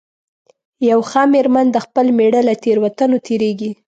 یوه ښه مېرمنه د خپل مېړه له تېروتنو تېرېږي.